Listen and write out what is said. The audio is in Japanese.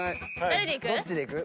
誰でいく？